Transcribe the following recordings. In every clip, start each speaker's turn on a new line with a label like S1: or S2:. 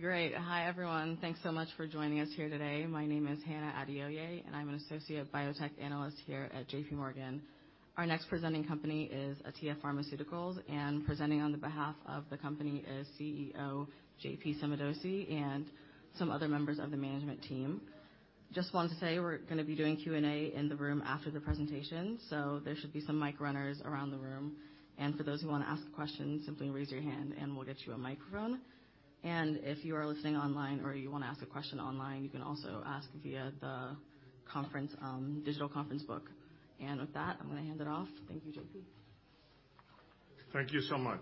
S1: Great. Hi, everyone. Thanks so much for joining us here today. My name is Hannah Adeoye, and I'm an Associate Biotech Analyst here at J.P. Morgan. Our next presenting company is Atea Pharmaceuticals, and presenting on the behalf of the company is CEO, JP Sommadossi, and some other members of the management team. Just want to say we're gonna be doing Q&A in the room after the presentation. There should be some mic runners around the room. For those who wanna ask questions, simply raise your hand and we'll get you a microphone. If you are listening online or you wanna ask a question online, you can also ask via the conference digital conference book. With that, I'm gonna hand it off. Thank you, JP.
S2: Thank you so much.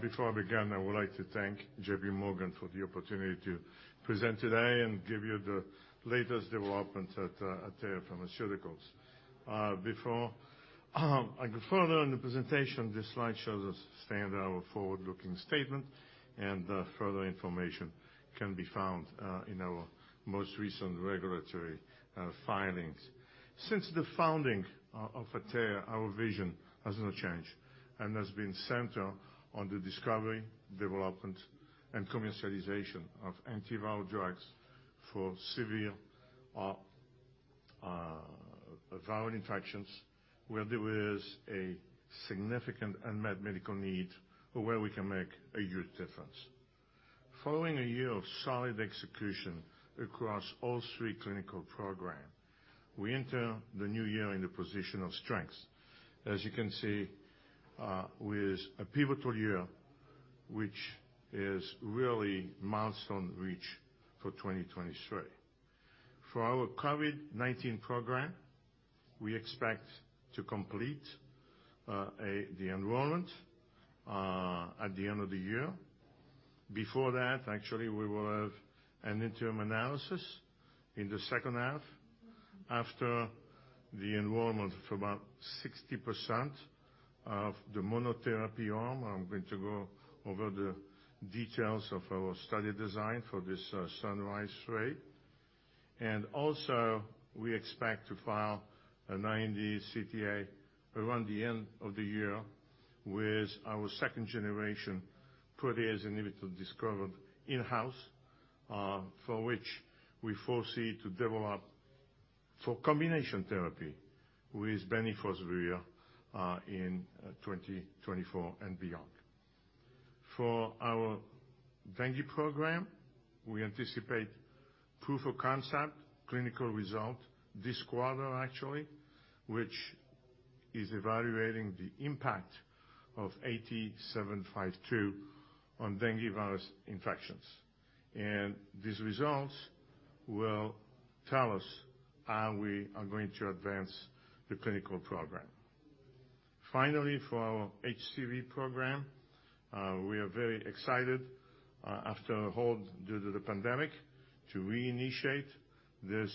S2: Before I begin, I would like to thank J.P. Morgan for the opportunity to present today and give you the latest developments at Atea Pharmaceuticals. Before I go further in the presentation, this slide shows a standard forward-looking statement and further information can be found in our most recent regulatory filings. Since the founding of Atea, our vision has not changed and has been centered on the discovery, development, and commercialization of antiviral drugs for severe viral infections where there is a significant unmet medical need or where we can make a huge difference. Following a year of solid execution across all three clinical program, we enter the new year in a position of strength. As you can see, with a pivotal year, which is really milestone reach for 2023. For our COVID-19 program, we expect to complete the enrollment at the end of the year. Before that, actually, we will have an interim analysis in the second half after the enrollment of about 60% of the monotherapy arm. I'm going to go over the details of our study design for this SUNRISE-3. We expect to file an IND/CTA around the end of the year with our second-generation protease inhibitor discovered in-house, for which we foresee to develop for combination therapy with bemnifosbuvir in 2024 and beyond. For our dengue program, we anticipate proof of concept, clinical result this quarter actually, which is evaluating the impact of AT-752 on dengue virus infections. These results will tell us how we are going to advance the clinical program. Finally, for our HCV program, we are very excited, after a hold due to the pandemic to reinitiate this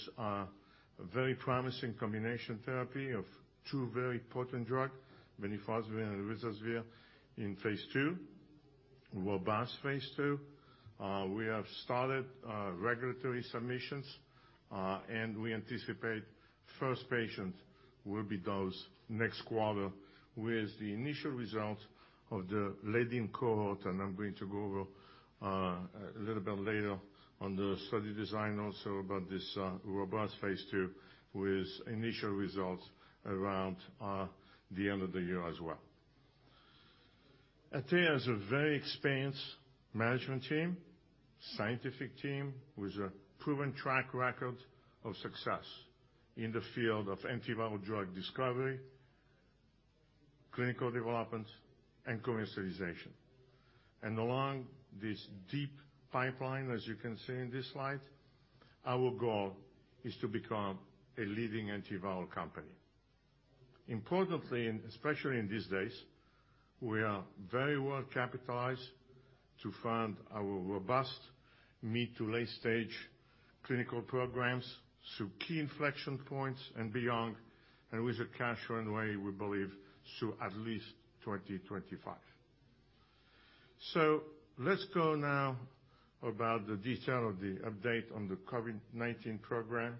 S2: very promising combination therapy of two very potent drug, bemnifosbuvir and ribavirin, in phase II. We're past phase II. We have started regulatory submissions, and we anticipate first patient will be dosed next quarter with the initial result of the leading cohort, and I'm going to go over a little bit later on the study design also about this robust phase II with initial results around the end of the year as well. Atea has a very experienced management team, scientific team with a proven track record of success in the field of antiviral drug discovery, clinical development, and commercialization. Along this deep pipeline, as you can see in this slide, our goal is to become a leading antiviral company. Importantly, and especially in these days, we are very well capitalized to fund our robust mid-to-late stage clinical programs through key inflection points and beyond, and with a cash runway, we believe through at least 2025. Let's go now about the detail of the update on the COVID-19 program,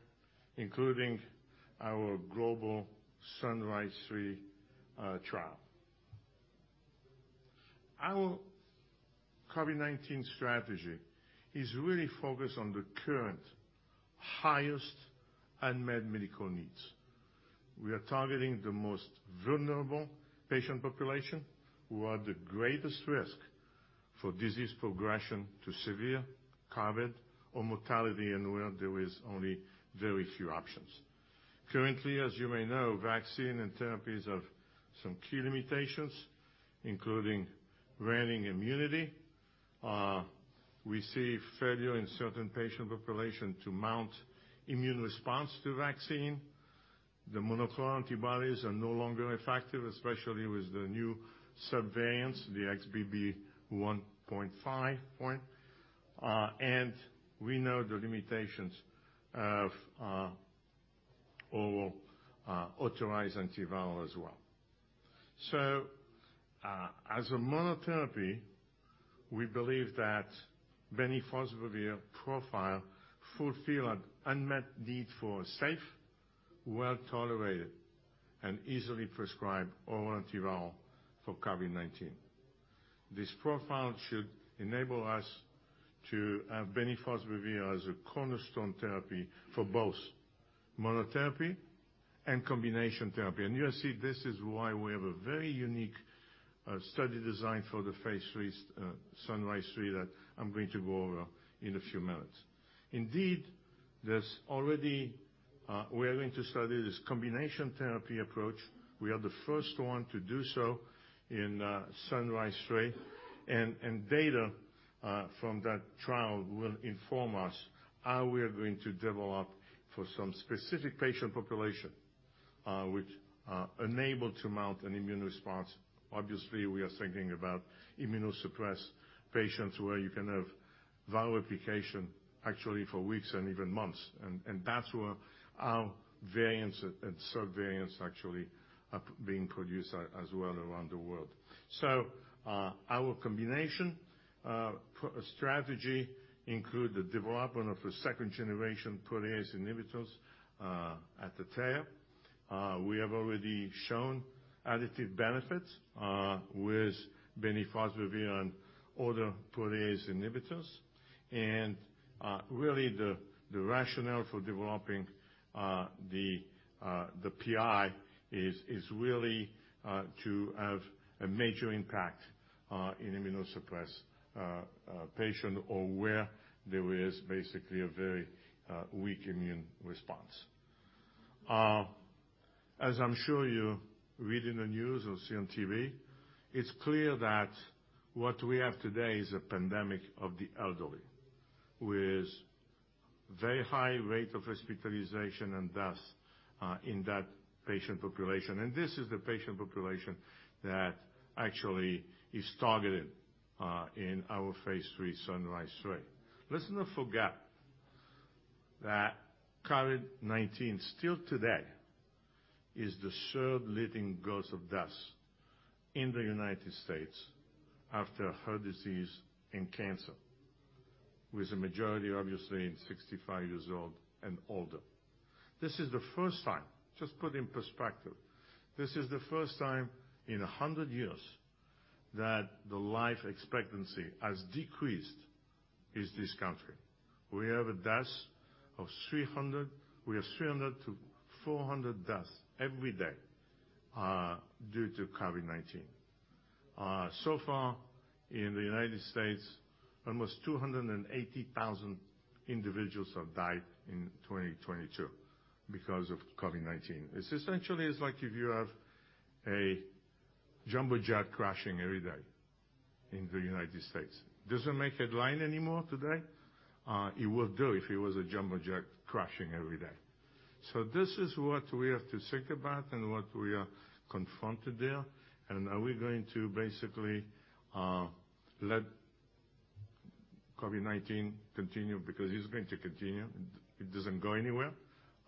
S2: including our global SUNRISE-3 trial. Our COVID-19 strategy is really focused on the current highest unmet medical needs. We are targeting the most vulnerable patient population who are the greatest risk for disease progression to severe COVID or mortality and where there is only very few options. Currently, as you may know, vaccine and therapies have some key limitations, including waning immunity. We see failure in certain patient population to mount immune response to vaccine. The monoclonal antibodies are no longer effective, especially with the new surveillance, the XBB.1.5 point. We know the limitations of oral authorized antiviral as well. As a monotherapy, we believe that bemnifosbuvir profile fulfill an unmet need for safe-well tolerated and easily prescribed oral antiviral for COVID-19. This profile should enable us to have bemnifosbuvir as a cornerstone therapy for both monotherapy and combination therapy. You will see this is why we have a very unique study design for the phase III SUNRISE 3 that I'm going to go over in a few minutes. Indeed, there's already. We are going to study this combination therapy approach. We are the first one to do so in SUNRISE 3. Data from that trial will inform us how we are going to develop for some specific patient population which unable to mount an immune response. Obviously, we are thinking about immunosuppressed patients where you can have viral replication actually for weeks and even months, and that's where our variants and sub-variants actually are being produced as well around the world. Our combination strategy include the development of a second generation protease inhibitors at Atea. We have already shown additive benefits with bemnifosbuvir and other protease inhibitors. Really the rationale for developing the PI is really to have a major impact in immunosuppressed patient or where there is basically a very weak immune response. As I'm sure you read in the news or see on TV, it's clear that what we have today is a pandemic of the elderly with very high rate of hospitalization and death in that patient population. This is the patient population that actually is targeted in our phase III SUNRISE 3. Let's not forget that COVID-19 still today is the third leading cause of death in the United States after heart disease and cancer, with the majority obviously in 65 years old and older. This is the first time, just put in perspective, this is the first time in 100 years that the life expectancy has decreased in this country. We have 300 to 400 deaths every day due to COVID-19. So far in the United States, almost 280,000 individuals have died in 2022 because of COVID-19. It's essentially is like if you have a jumbo jet crashing every day in the United States. Doesn't make headline anymore today? It would do if it was a jumbo jet crashing every day. This is what we have to think about and what we are confronted there. Are we going to basically, let COVID-19 continue? Because it's going to continue, it doesn't go anywhere,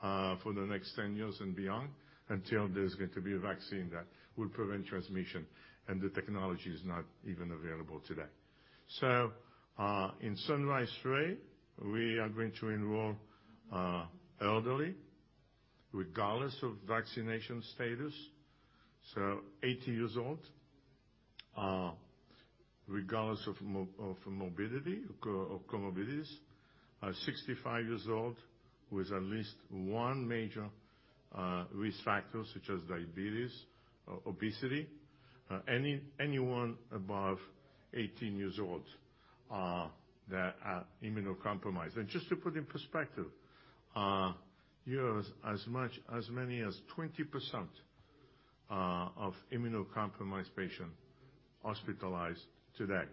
S2: for the next 10 years and beyond, until there's going to be a vaccine that will prevent transmission. The technology is not even available today. In SUNRISE 3, we are going to enroll, elderly regardless of vaccination status, so 80 years old, regardless of morbidity or comorbidities. 65 years old with at least one major risk factor such as diabetes or obesity. Anyone above 18 years old are immunocompromised. Just to put in perspective, you have as many as 20% of immunocompromised patient hospitalized today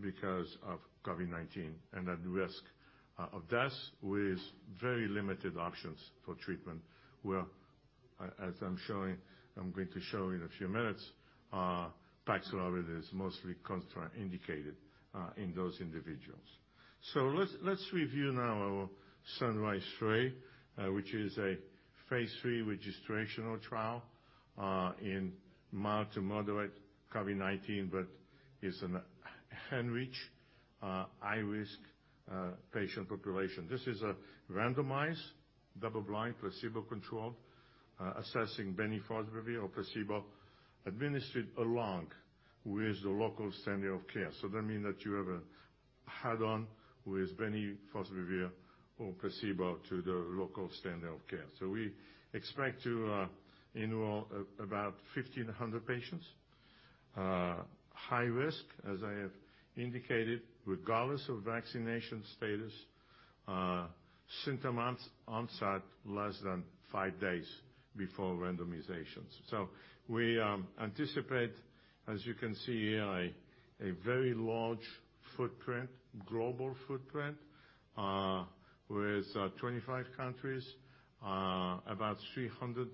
S2: because of COVID-19, and at risk of death with very limited options for treatment. Where, as I'm showing, I'm going to show in a few minutes, PAXLOVID is mostly contraindicated in those individuals. Let's review now our SUNRISE-3, which is a phase III registrational trial in mild to moderate COVID-19, but is an enriched, high-risk patient population. This is a randomized double-blind, placebo-controlled, assessing bemnifosbuvir or placebo administered along with the local standard of care. That mean that you have a add-on with bemnifosbuvir or placebo to the local standard of care. We expect to enroll about 1,500 patients. High risk, as I have indicated, regardless of vaccination status, symptom onset less than five days before randomizations. We anticipate, as you can see here, a very large footprint, global footprint, with 25 countries, about 300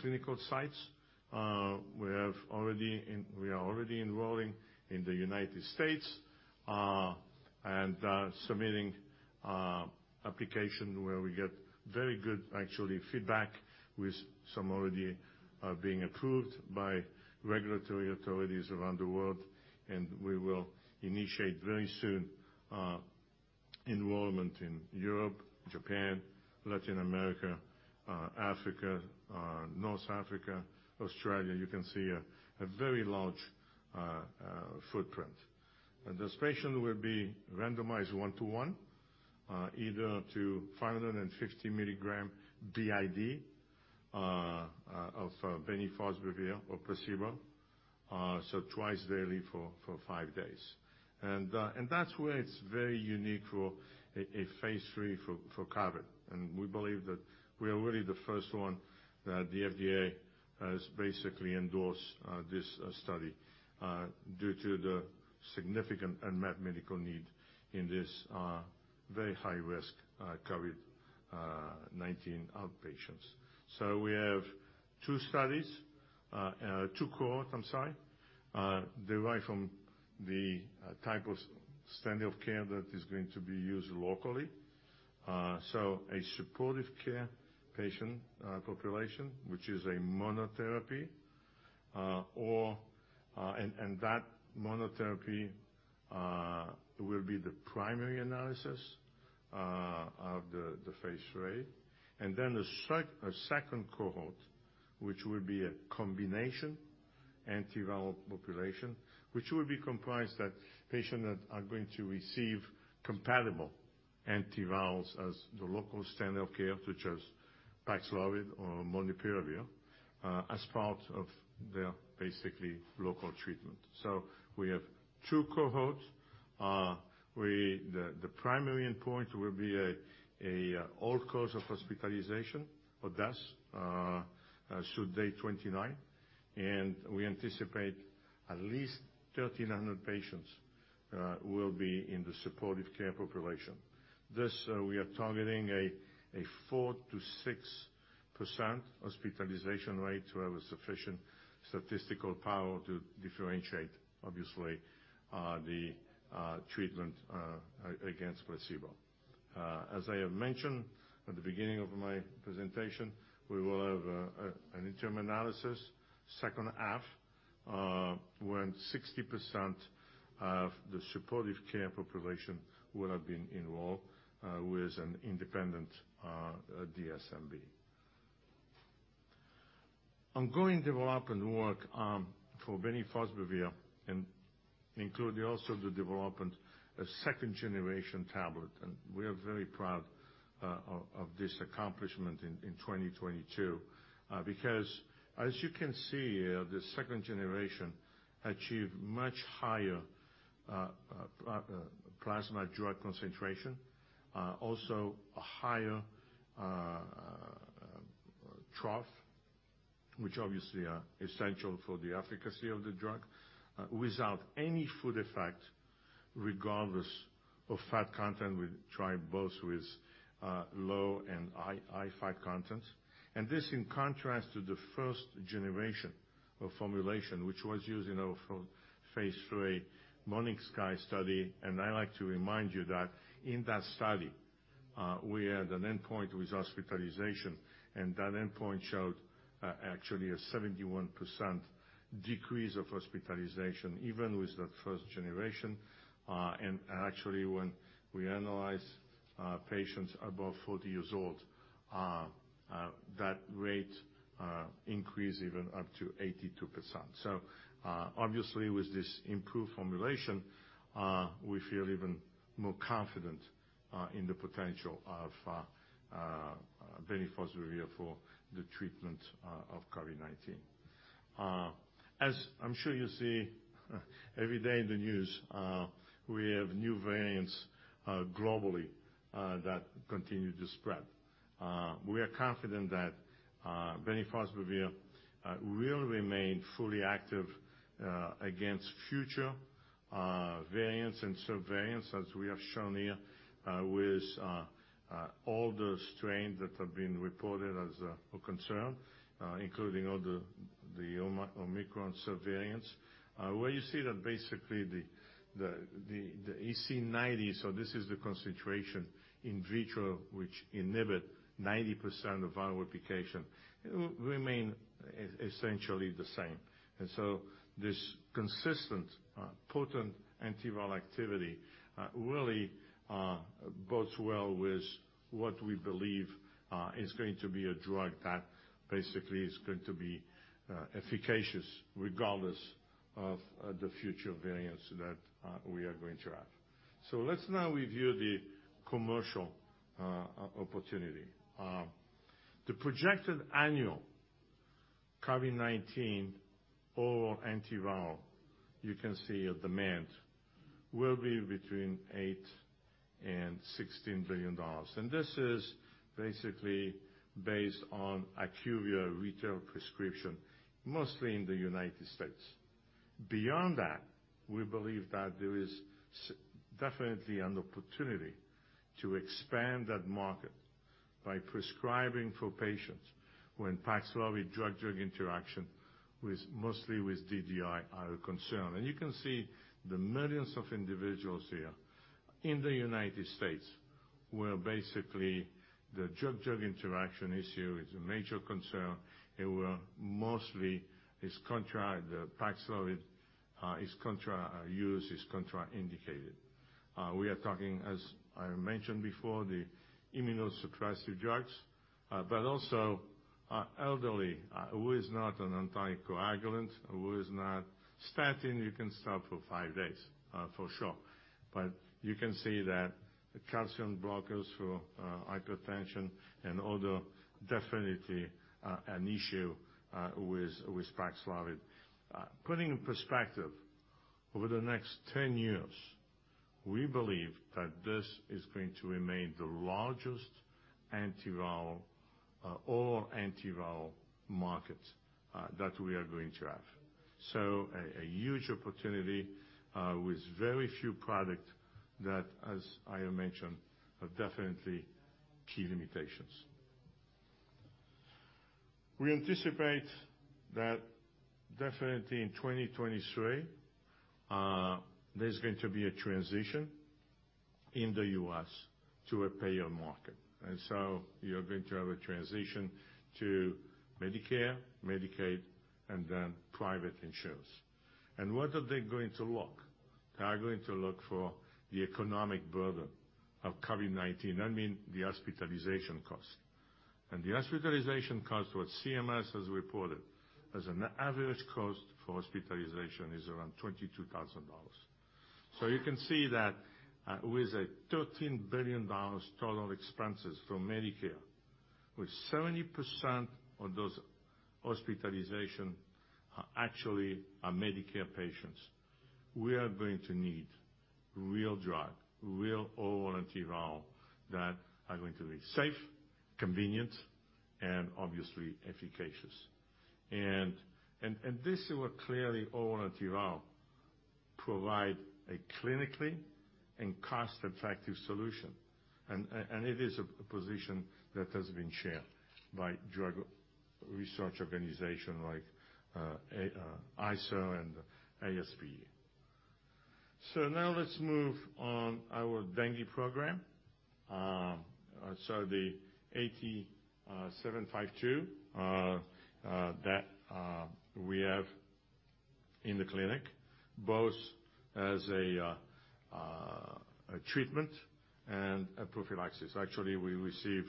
S2: clinical sites. We are already enrolling in the United States, and submitting application where we get very good actually feedback with some already being approved by regulatory authorities around the world. We will initiate very soon Enrolment in Europe, Japan, Latin America, Africa, North Africa, Australia, you can see a very large footprint. Those patients will be randomized one to one, either to 550 mg BID of bemnifosbuvir or placebo. Twice daily for five days. That's where it's very unique for a phase III for COVID. We believe that we are really the first one, that the FDA has basically endorsed this study due to the significant unmet medical need in this very high-risk COVID-19 outpatients. We have two studies, two cohort, I'm sorry, derived from the type of standard of care that is going to be used locally. A supportive care patient population, which is a monotherapy. And that monotherapy will be the primary analysis of the phase III. The second cohort, which will be a combination antiviral population, which will be comprised that patients that are going to receive compatible antivirals as the local standard care, such as PAXLOVID or molnupiravir, as part of their basically local treatment. We have two cohorts. The primary endpoint will be all-cause of hospitalization or death so day 29. We anticipate at least 1,300 patients will be in the supportive care population. This, we are targeting a 4%-6% hospitalization rate to have a sufficient statistical power to differentiate, obviously, the treatment against placebo. As I have mentioned at the beginning of my presentation, we will have an interim analysis second half, when 60% of the supportive care population will have been enrolled, with an independent DSMB. Ongoing development work for bemnifosbuvir and including also the development of second generation tablet. We are very proud of this accomplishment in 2022. Because as you can see here, the second generation achieved much higher plasma drug concentration, also a higher trough, which obviously are essential for the efficacy of the drug, without any food effect, regardless of fat content. We try both with low and high fat content. This in contrast to the first generation of formulation, which was used, you know, for phase III Morning Sky study. I like to remind you that in that study, we had an endpoint with hospitalization, and that endpoint showed actually a 71% decrease of hospitalization, even with the first generation. Actually, when we analyze patients above 40 years old, that rate increased even up to 82%. Obviously with this improved formulation, we feel even more confident in the potential of bemnifosbuvir for the treatment of COVID-19. I'm sure you see every day in the news, we have new variants globally that continue to spread. hat bemnifosbuvir will remain fully active against future variants and subvariants, as we have shown here with all the strains that have been reported as a concern, including all the Omicron subvariants. Where you see that basically the EC90, so this is the concentration in vitro, which inhibit 90% of viral replication, it remain essentially the same. This consistent potent antiviral activity really bodes well with what we believe is going to be a drug that basically is going to be efficacious regardless of the future variants that we are going to have. Let's now review the commercial opportunity. The projected annual COVID-19 oral antiviral, you can see a demand, will be between $8 billion and $16 billion. This is basically based on IQVIA retail prescription, mostly in the United States. Beyond that, we believe that there is definitely an opportunity to expand that market by prescribing for patients when PAXLOVID drug-drug interaction with mostly with DDI are a concern. You can see the millions of individuals here in the United StatesWere basically the drug-drug interaction issue is a major concern. They were mostly the PAXLOVID or use is contraindicated. We are talking, as I mentioned before, the immunosuppressive drugs, but also elderly, who is not on anticoagulant, who is not statin, you can stop for five days for sure. You can see that the calcium blockers for hypertension and other definitely an issue with PAXLOVID. Putting in perspective, over the next 10 years, we believe that this is going to remain the largest antiviral, oral antiviral market that we are going to have. A huge opportunity with very few product that, as I have mentioned, are definitely key limitations. We anticipate that definitely in 2023, there's going to be a transition in the U.S. to a payer market. You're going to have a transition to Medicare, Medicaid, and then private insurers. What are they going to look? They are going to look for the economic burden of COVID-19, that mean the hospitalization cost. The hospitalization cost, what CMS has reported as an average cost for hospitalization is around $22,000. You can see that, with a $13 billion total expenses from Medicare, with 70% of those hospitalization are actually Medicare patients, we are going to need real drug, real oral antiviral that are going to be safe, convenient, and obviously efficacious. This will clearly oral antiviral provide a clinically and cost-effective solution. It is a position that has been shared by drug research organization like ISO and ASB. Now let's move on our dengue program. The AT-752 that we have in the clinic, both as a treatment and a prophylaxis. Actually, we receive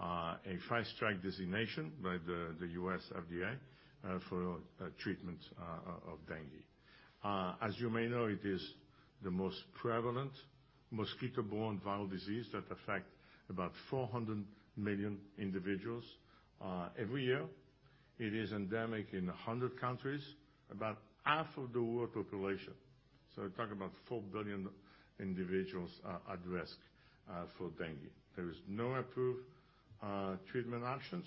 S2: a Fast Track designation by the U.S. FDA for treatment of dengue. As you may know, it is the most prevalent mosquito-borne viral disease that affect about 400 million individuals every year. It is endemic in 100 countries, about half of the world population. We're talking about 4 billion individuals are at risk for dengue. There is no approved treatment options,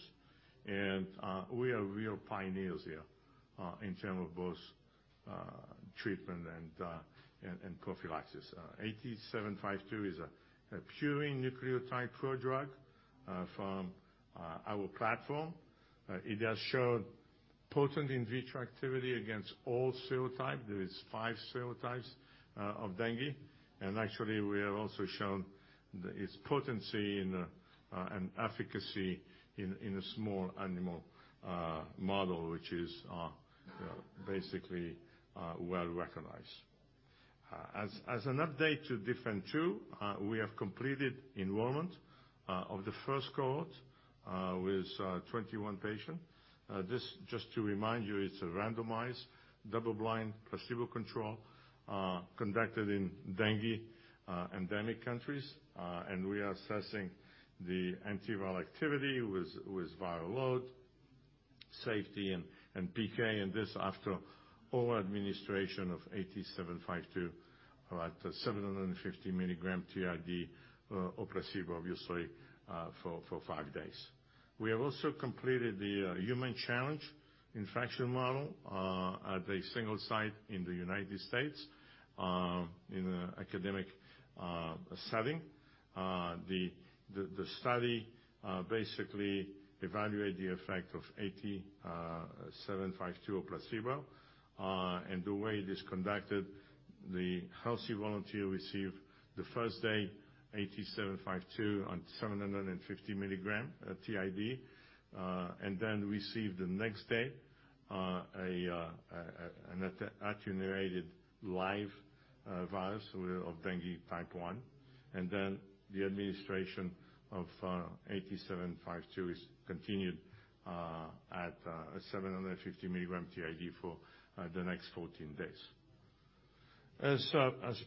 S2: and we are real pioneers here in terms of both treatment and prophylaxis. AT-752 is a purine nucleotide prodrug from our platform. It has shown potent in vitro activity against all serotype. There is five serotypes of dengue. Actually, we have also shown its potency and efficacy in a small animal model, which is basically well-recognized. as an update to DEFEND-2, we have completed enrollment of the first cohort with 21 patient. This, just to remind you, it's a randomized double-blind placebo control conducted in dengue endemic countries. We are assessing the antiviral activity with viral load, safety, and PK, and this after oral administration of AT-752 at 750 mg TID or placebo, obviously, for five days. We have also completed the human challenge infection model at a single site in the United States, in a academic setting. The study basically evaluate the effect of AT-752 or placebo. The way it is conducted, the healthy volunteer receive the first day AT-752 on 750 mg at TID, and then receive the next day, an attenuated live virus of dengue type 1. The administration of AT-752 is continued at 750 mg TID for the next 14 days. As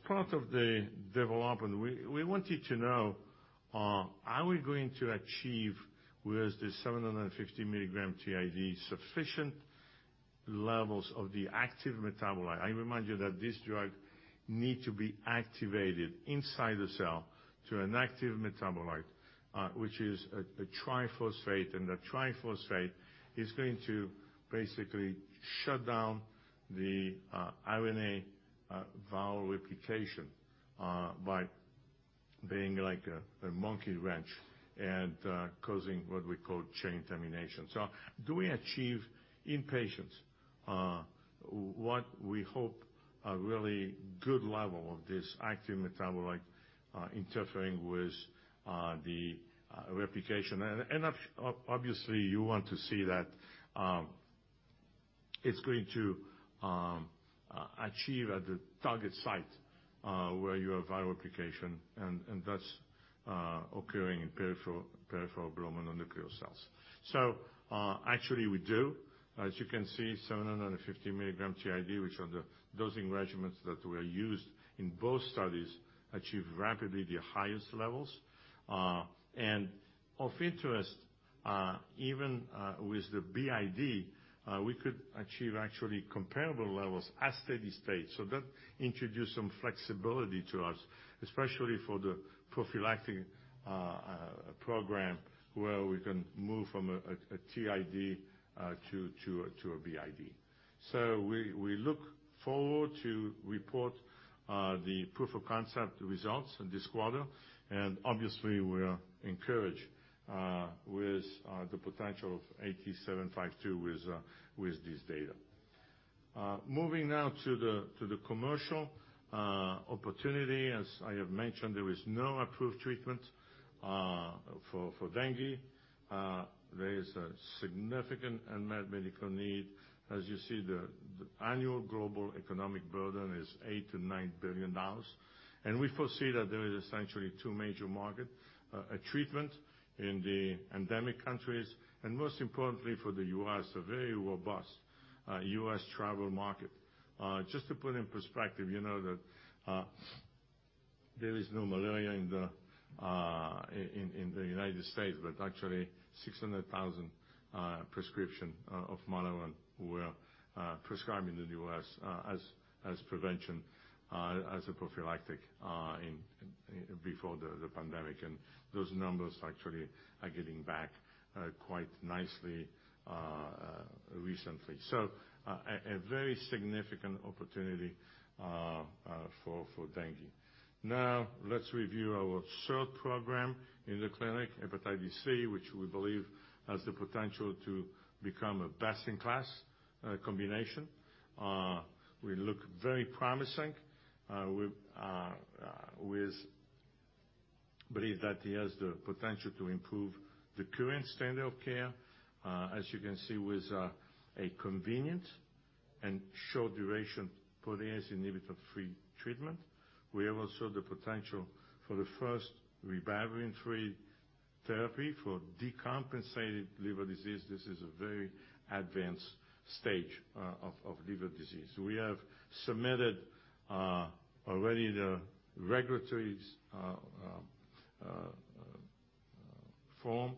S2: part of the development, we wanted to know, are we going to achieve with the 750 mg TID sufficient levels of the active metabolite? I remind you that this drug need to be activated inside the cell to an active metabolite, which is a triphosphate, and the triphosphate is going to basically shut down the RNA viral replication by being like a monkey wrench and causing what we call chain termination. Do we achieve in patients, what we hope a really good level of this active metabolite, interfering with the replication. Obviously, you want to see that it's going to achieve at the target site where you have viral replication, and that's occurring in peripheral blood mononuclear cells. Actually we do. As you can see, 750 mg TID, which are the dosing regimens that were used in both studies, achieve rapidly the highest levels. Of interest, even with the BID, we could achieve actually comparable levels at steady state. That introduced some flexibility to us, especially for the prophylactic program, where we can move from a TID to a BID. We look forward to report the proof of concept results in this quarter. Obviously, we are encouraged with the potential of AT-752 with this data. Moving now to the commercial opportunity. As I have mentioned, there is no approved treatment for dengue. There is a significant unmet medical need. As you see, the annual global economic burden is $8 billion-$9 billion. We foresee that there is essentially two major market, a treatment in the endemic countries, and most importantly for the U.S., a very robust U.S. travel market. Just to put in perspective, you know that there is no malaria in the United States, but actually 600,000 prescription of Malarone were prescribed in the U.S. as prevention, as a prophylactic before the pandemic. Those numbers actually are getting back quite nicely recently. A very significant opportunity for dengue. Now let's review our third program in the clinic, hepatitis C, which we believe has the potential to become a best-in-class combination. We look very promising, with belief that it has the potential to improve the current standard of care. As you can see, with a convenient and short duration protease inhibitor-free treatment. We have also the potential for the first ribavirin-free therapy for decompensated liver disease. This is a very advanced stage of liver disease. We have submitted already the regulatory form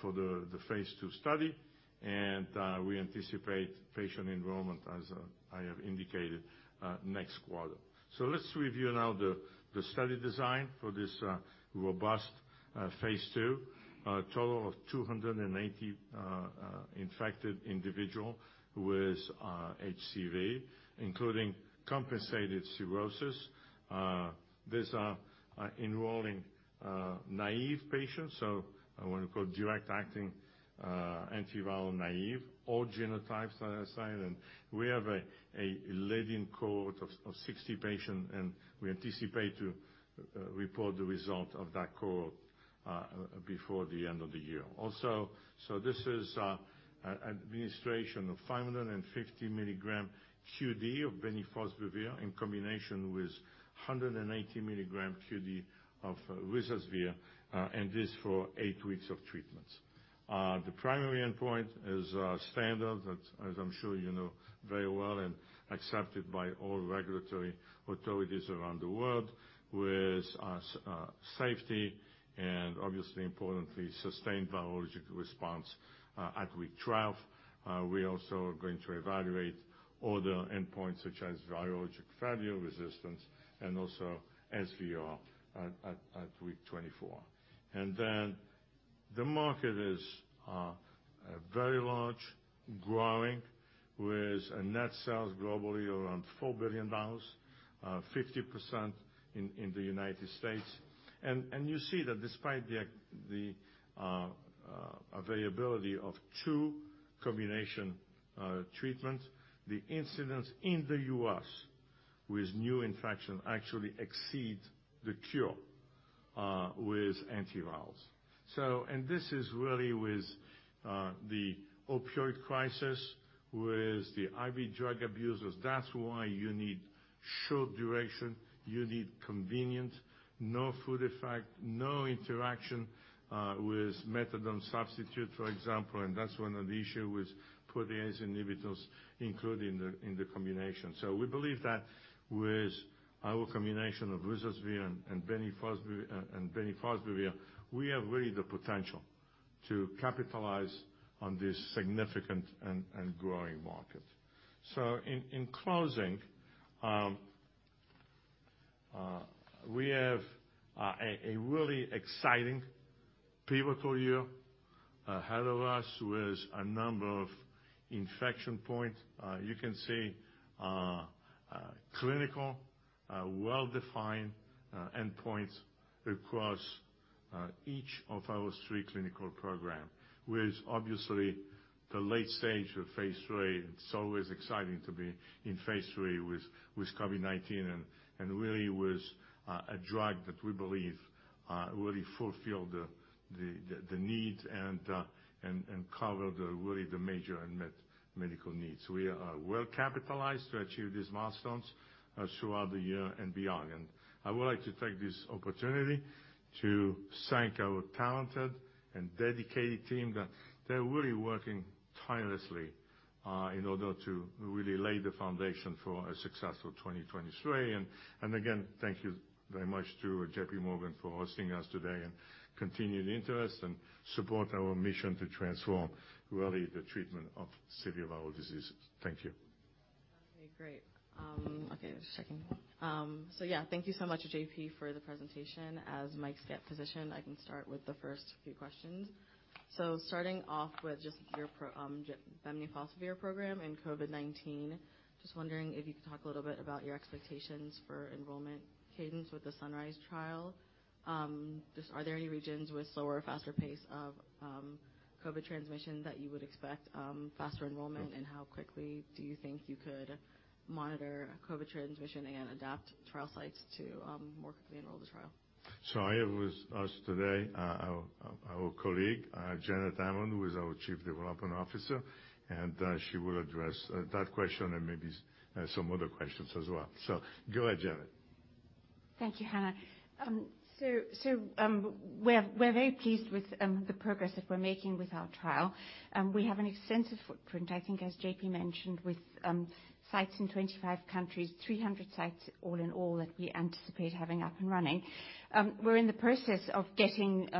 S2: for the phase II study, we anticipate patient enrollment, as I have indicated, next quarter. Let's review now the study design for this robust phase II. Total of 280 infected individual with HCV, including compensated cirrhosis. These are enrolling naive patients, I want to call direct-acting antiviral naive, all genotypes are assigned. We have a leading cohort of 60 patients, and we anticipate to report the result of that cohort before the end of the year. This is an administration of 550 mg QD of bemnifosbuvir in combination with 180 mg QD of ribavirin, and this for eight weeks of treatments. The primary endpoint is standard, as I'm sure you know very well and accepted by all regulatory authorities around the world, with safety and obviously importantly, sustained virologic response at week 12. We also are going to evaluate other endpoints such as virologic failure resistance and also SVR at week 24. The market is very large, growing with net sales globally around $4 billion, 50% in the United States. You see that despite the availability of two combination treatment, the incidence in the U.S. with new infection actually exceeds the cure with antivirals. This is really with the opioid crisis, with the IV drug abusers. That's why you need short duration, you need convenient, no food effect, no interaction with methadone substitute, for example. That's one of the issue with protease inhibitors, including in the combination. We believe that with our combination of riesgasvir and bemnifosbuvir, we have really the potential to capitalize on this significant and growing market. In closing, we have a really exciting pivotal year ahead of us with a number of infection points. You can see clinical, well-defined endpoints across each of our three clinical program with obviously the late stage of phase III. It's always exciting to be in phase III with COVID-19 and really with a drug that we believe really fulfill the need and cover the really the major unmet medical needs. We are well-capitalized to achieve these milestones throughout the year and beyond. I would like to take this opportunity to thank our talented and dedicated team that they're really working tirelessly in order to really lay the foundation for a successful 2023. Again, thank you very much to J.P. Morgan for hosting us today, and continued interest and support our mission to transform really the treatment of severe viral diseases. Thank you.
S1: Okay, great. Okay, just checking. Yeah, thank you so much, JP, for the presentation. As mics get positioned, I can start with the first few questions. Starting off with just your bemnifosbuvir program and COVID-19. Just wondering if you could talk a little bit about your expectations for enrollment cadence with the SUNRISE trial. Just are there any regions with slower or faster pace of COVID transmission that you would expect faster enrollment?
S2: Yeah.
S1: How quickly do you think you could monitor COVID transmission and adapt trial sites to more quickly enroll the trial?
S2: I have with us today, our colleague, Janet Hammond, who is our Chief Development Officer, and she will address that question and maybe some other questions as well. Go ahead, Janet.
S3: Thank you, Hannah. We're very pleased with the progress that we're making with our trial. We have an extensive footprint, I think as JP mentioned, with sites in 25 countries, 300 sites all in all that we anticipate having up and running. We're in the process of getting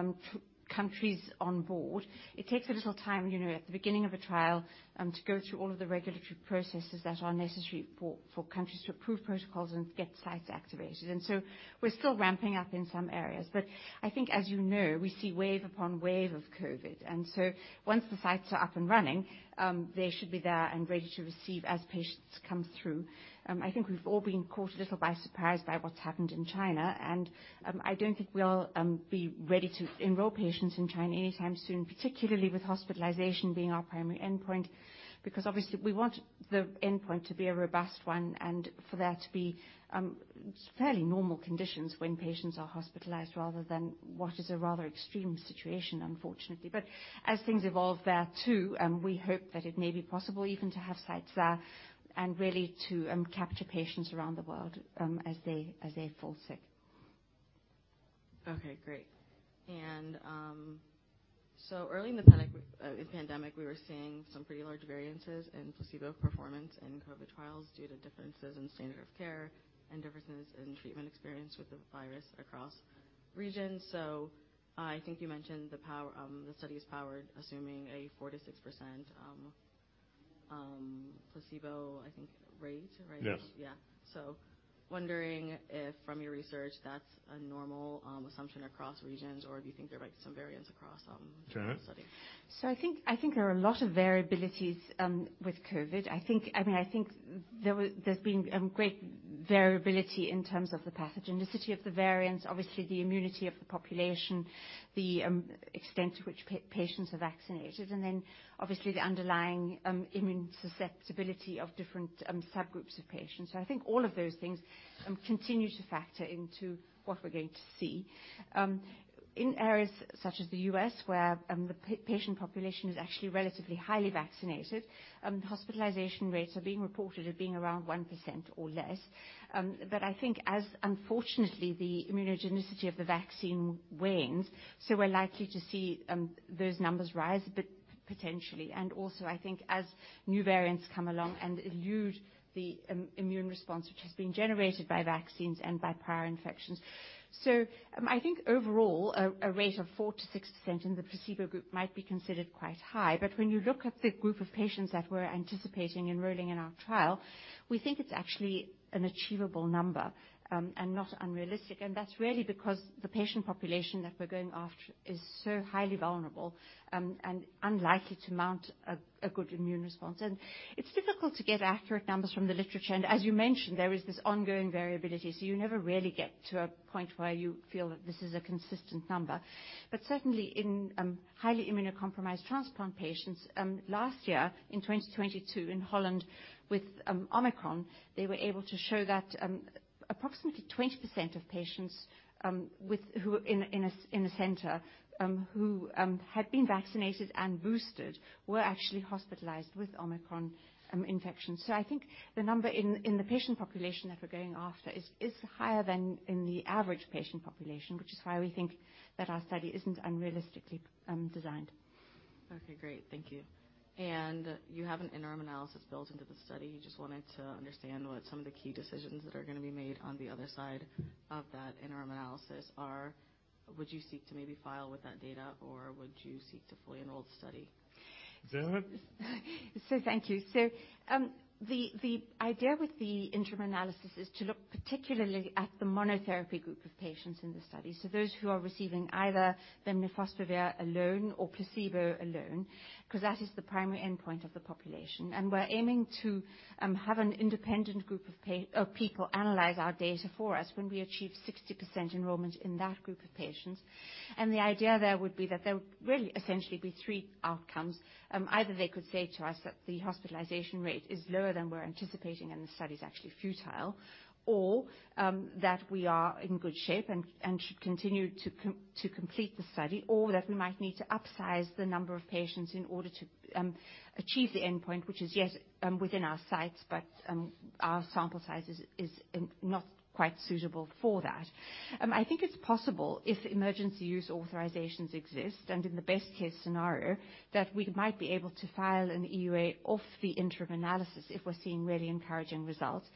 S3: countries on board. It takes a little time, you know, at the beginning of a trial, to go through all of the regulatory processes that are necessary for countries to approve protocols and get sites activated. We're still ramping up in some areas. I think as you know, we see wave upon wave of COVID. Once the sites are up and running, they should be there and ready to receive as patients come through. I think we've all been caught a little by surprise by what's happened in China. I don't think we'll be ready to enroll patients in China anytime soon, particularly with hospitalization being our primary endpoint. Obviously we want the endpoint to be a robust one and for there to be fairly normal conditions when patients are hospitalized rather than what is a rather extreme situation, unfortunately. As things evolve there too, we hope that it may be possible even to have sites there and really to capture patients around the world as they fall sick.
S1: Okay, great. Early in the pandemic, we were seeing some pretty large variances in placebo performance in COVID trials due to differences in standard of care and differences in treatment experience with the virus across regions. You mentioned the power, the study's power, assuming a 4%-6% placebo rate, right?
S2: Yes.
S1: Yeah. Wondering if from your research, that's a normal assumption across regions, or do you think there might be some variance across.
S2: Janet?
S1: the study?
S3: I think there are a lot of variabilities with COVID. I think, I mean, I think there's been great variability in terms of the pathogenicity of the variants, obviously the immunity of the population, the extent to which patients are vaccinated, and then obviously the underlying immune susceptibility of different subgroups of patients. I think all of those things continue to factor into what we're going to see. In areas such as the U.S., where the patient population is actually relatively highly vaccinated, hospitalization rates are being reported as being around 1% or less. I think as unfortunately the immunogenicity of the vaccine wanes, so we're likely to see those numbers rise, but potentially. Also I think as new variants come along and elude the immune response which has been generated by vaccines and by prior infections. I think overall a rate of 4% to 6% in the placebo group might be considered quite high. When you look at the group of patients that we're anticipating enrolling in our trial, we think it's actually an achievable number, and not unrealistic. That's really because the patient population that we're going after is so highly vulnerable, and unlikely to mount a good immune response. It's difficult to get accurate numbers from the literature. As you mentioned, there is this ongoing variability, so you never really get to a point where you feel that this is a consistent number. Certainly in, highly immunocompromised transplant patients, last year in 2022 in Holland with Omicron, they were able to show that approximately 20% of patients, who in a center, who had been vaccinated and boosted were actually hospitalized with Omicron infection. I think the number in the patient population that we're going after is higher than in the average patient population, which is why we think that our study isn't unrealistically designed.
S1: Okay, great. Thank you. You have an interim analysis built into the study. Just wanted to understand what some of the key decisions that are going to be made on the other side of that interim analysis are. Would you seek to maybe file with that data, or would you seek to fully enroll the study?
S2: Janet?
S3: Thank you. The idea with the interim analysis is to look particularly at the monotherapy group of patients in the study, so those who are receiving either bemnifosbuvir alone or placebo alone, 'cause that is the primary endpoint of the population. We're aiming to have an independent group of people analyze our data for us when we achieve 60% enrollment in that group of patients. The idea there would be that there would really essentially be three outcomes. Either they could say to us that the hospitalization rate is lower than we're anticipating and the study is actually futile, or that we are in good shape and should continue to complete the study, or that we might need to upsize the number of patients in order to achieve the endpoint, which is, yes, within our sights, but our sample size is not quite suitable for that. I think it's possible if Emergency Use Authorization exist, and in the best case scenario, that we might be able to file an EUA off the interim analysis if we're seeing really encouraging results.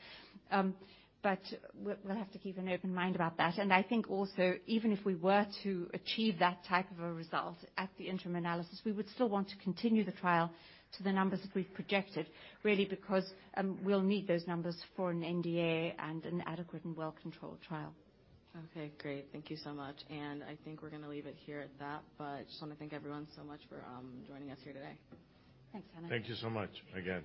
S3: We'll have to keep an open mind about that. I think also even if we were to achieve that type of a result at the interim analysis, we would still want to continue the trial to the numbers that we've projected, really because, we'll need those numbers for an NDA and an adequate and well-controlled trial.
S1: Okay, great. Thank you so much. I think we're gonna leave it here at that. Just wanna thank everyone so much for joining us here today.
S3: Thanks, Hannah.
S2: Thank you so much again.